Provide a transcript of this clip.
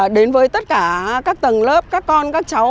đến với tất cả các tầng lớp các con các cháu